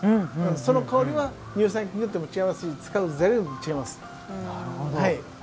その香りは、乳酸菌によっても違いますし、使う材料も違います。